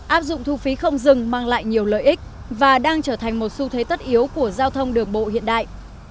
áp dụng thu phí không dừng mang lại nhiều lợi ích và đang trở thành một xu thế tất yếu của giao thông đường bộ hiện đại